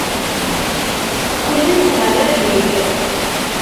Qqlent ɣer rrif.